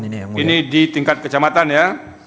ini di tingkat kecamatan ya